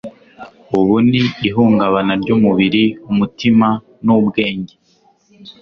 Ubu ni ihungabana ryumubiri umutima nubwenge